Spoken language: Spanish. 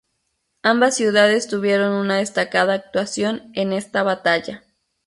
Ambas ciudades tuvieron una destacada actuación en esta batalla.